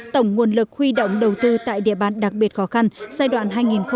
tổng nguồn lực huy động đầu tư tại địa bàn đặc biệt khó khăn giai đoạn hai nghìn một mươi sáu hai nghìn hai mươi